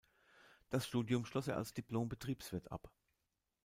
Das Studium schloss er als Diplom-Betriebswirt ab.